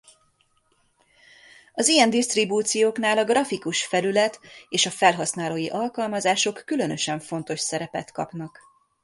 Az ilyen disztribúcióknál a grafikus felület és a felhasználói alkalmazások különösen fontos szerepet kapnak.